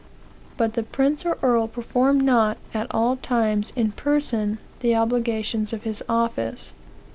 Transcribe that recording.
"But the prince or earl performed not, at all times, in person, the obligations of his office.